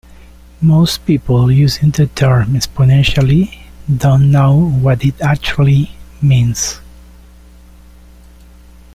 Most people using the term "exponentially" don't know what it actually means.